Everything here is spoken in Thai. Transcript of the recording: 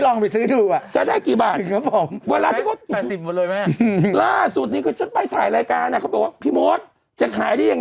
ลองไปซื้อดูอ่ะจะได้กี่บาทมาถึงครับผมเวลาทุกคนแปดสิบหมดเลยไหม